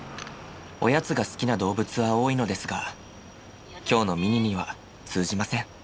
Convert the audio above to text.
おやつが好きな動物は多いのですが今日のミニには通じません。